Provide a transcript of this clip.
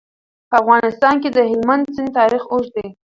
په افغانستان کې د هلمند سیند تاریخ اوږد دی.